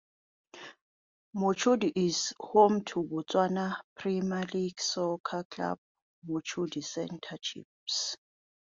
Mochudi is home to Botswana Premier League soccer club Mochudi Centre Chiefs.